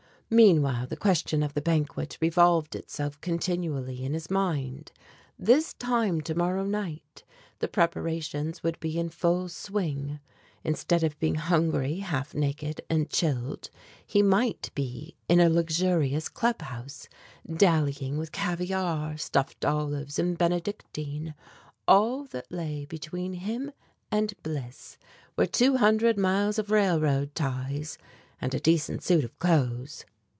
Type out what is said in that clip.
Meanwhile the question of the banquet revolved itself continually in his mind. This time to morrow night, the preparations would be in full swing. Instead of being hungry, half naked, and chilled, he might be in a luxurious club house dallying with caviar, stuffed olives, and Benedictine. All that lay between him and bliss were two hundred miles of railroad ties and a decent suit of clothes!